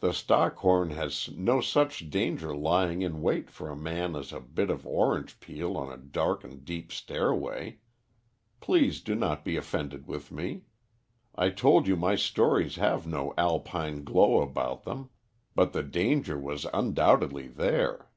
The Stockhorn has no such danger lying in wait for a man as a bit of orange peel on a dark and steep stairway. Please do not be offended with me. I told you my stories have no Alpine glow about them, but the danger was undoubtedly there."